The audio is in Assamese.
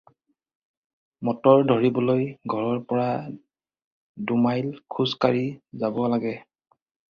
মটৰ ধৰিবলৈ ঘৰৰ পৰা দুমাইল খোজ কাঢ়ি যাব লাগে।